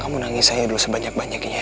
kamu nangis aja dulu sebanyak banyaknya ya